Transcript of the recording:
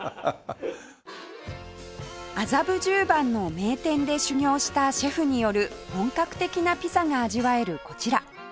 麻布十番の名店で修業したシェフによる本格的なピザが味わえるこちら